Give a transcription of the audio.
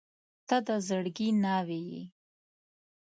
• ته د زړګي ناوې یې.